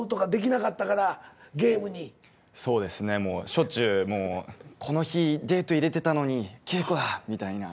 しょっちゅうもうこの日デート入れてたのに稽古だみたいな。